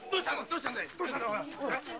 どうしたんだいったい？